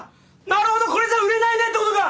「なるほどこれじゃ売れないね」って事か！？